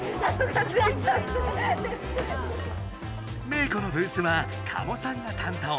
メー子のブースは加茂さんが担当。